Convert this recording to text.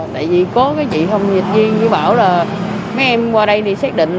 tại vì có cái chị thông dịch viên bảo là mấy em qua đây đi xét định